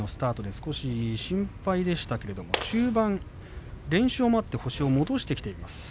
少し心配されましたが中盤、連勝もあって星を戻してきています。